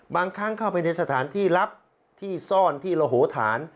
บางครั้งเข้าไปในสถานที่รับที่ซ่อนที่ระโหฐาน